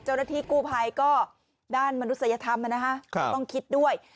เจ้าหน้าที่กู้ภัยก็ด้านมนุษยธรรมต้องคิดด้วย